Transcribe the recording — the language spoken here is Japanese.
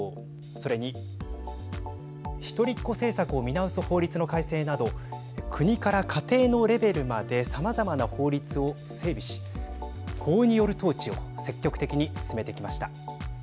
それに、一人っ子政策を見直す法律の改正など国から家庭のレベルまでさまざまな法律を整備し法による統治を積極的に進めてきました。